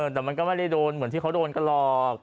แต่มันก็ไม่ได้โดนเหมือนที่เขาโดนกันหรอก